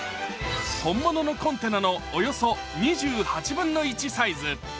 本物のコンテナのおよそ２８分の１サイズ。